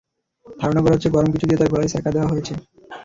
ধারণা করা হচ্ছে, গরম কিছু দিয়ে তাঁর গলায় ছ্যাঁকা দেওয়া হয়েছে।